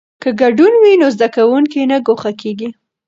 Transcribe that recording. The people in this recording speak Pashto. که ګډون وي نو زده کوونکی نه ګوښه کیږي.